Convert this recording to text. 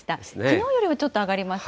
きのうよりはちょっと上がります